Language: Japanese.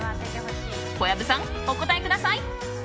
小籔さん、お答えください。